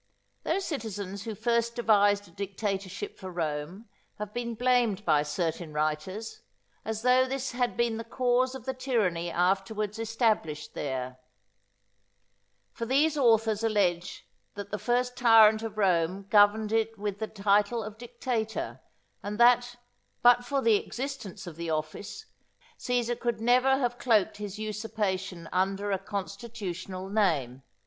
_ Those citizens who first devised a dictatorship for Rome have been blamed by certain writers, as though this had been the cause of the tyranny afterwards established there. For these authors allege that the first tyrant of Rome governed it with the title of Dictator, and that, but for the existence of the office, Cæsar could never have cloaked his usurpation under a constitutional name.